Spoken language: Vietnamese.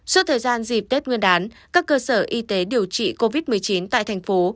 suốt thời gian dịp tết nguyên đán các cơ sở y tế điều trị covid một mươi chín tại thành phố